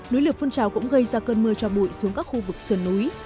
núi lửa phun trào cũng gây ra cơn mưa cho bụi xuống các khu vực sườn núi